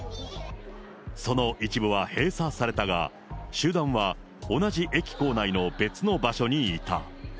その一部は閉鎖されたが、集団は、同じ駅構内の別の場所にいた。